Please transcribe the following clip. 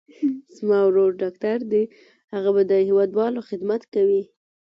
زما ورور ډاکټر دي، هغه به د هېوادوالو خدمت کوي.